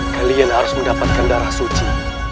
kalian harus mendapatkan darah suci